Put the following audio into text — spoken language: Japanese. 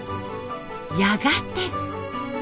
やがて。